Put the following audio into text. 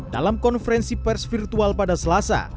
dalam konferensi pers virtual pada selasa